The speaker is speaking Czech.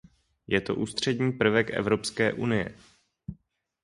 Je to ústřední prvek Evropské unie.